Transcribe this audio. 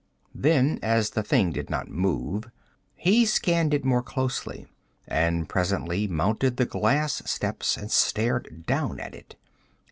Then, as the thing did not move, he scanned it more closely, and presently mounted the glass steps and stared down at it.